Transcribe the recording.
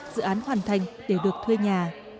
dự án hoàn thành để được thuê nhà